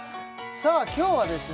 さあ今日はですね